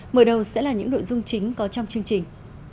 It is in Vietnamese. mở đầu sẽ là những nội dung chính có trong chương trình